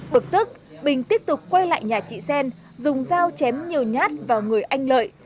bực tức bình tiếp tục quay lại nhà chị xen dùng dao chém nhiều nhát vào người anh lợi